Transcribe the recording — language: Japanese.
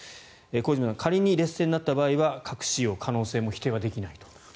小泉さん仮に劣勢になった場合は核使用の可能性も否定できないと。